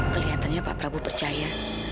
kelihatannya pak prabu percaya